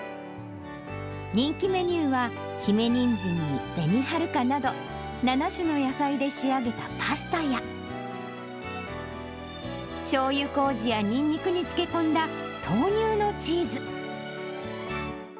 人気メニューは、姫ニンジンにべにはるかなど、７種の野菜で仕上げたパスタや、しょうゆこうじやにんにくに漬け込んだ、豆乳のチーズ。